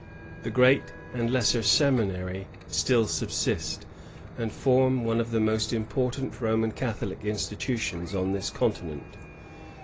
^ The Great and Lesser Seminary still subsist, and form one of the most important Roman Catholic institutions on this continent.